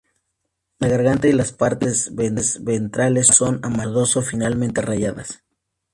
La garganta y las partes ventrales son amarillo verdosas, finamente rayadas.